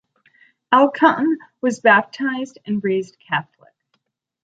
Elkann was baptized and raised Catholic.